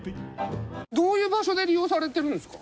どういう場所で利用されてるんですか？